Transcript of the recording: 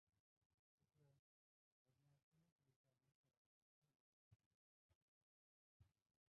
उप्र: बदमाशों ने पुलिसवालों से राइफल छीनी